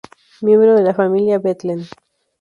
Miembro de la familia Bethlen.